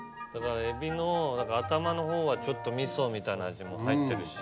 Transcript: エビの頭のほうはちょっとミソみたいな味も入ってるし。